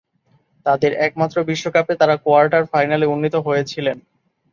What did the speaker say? তাদের একমাত্র বিশ্বকাপে তারা কোয়ার্টার ফাইনালে উন্নীত হয়েছিলেন।